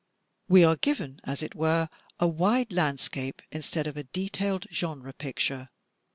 We are given, as it were, a wide landscape instead of a detailed genre picture.